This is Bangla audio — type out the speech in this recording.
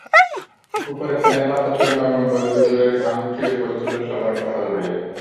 ওপরে ফ্যানের বাতাসেও নভেম্বরের দুপুরে ঘাম চুইয়ে পড়ছিল সবার কপাল বেয়ে।